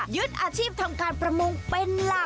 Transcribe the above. ยึดอาชีพทำการประมงเป็นหลัก